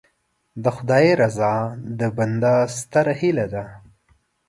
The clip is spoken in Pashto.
د خدای رضا د بنده ستره هیله ده.